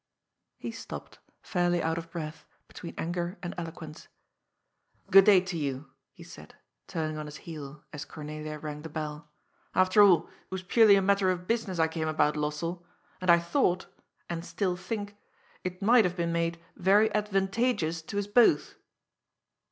He stopped, fairly out of breath, between anger and eloquence. ^^ Oood day to you," he said, turn ing on his heel, as Cornelia rang the bell. *^ After all, it was purely a matter of business I came about, Lossell. And I thought— and still think — it might have been made very advantageous to us both."